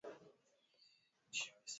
la mto Amazon hukaa mbali na aina za kijani